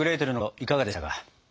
いかがでしたか？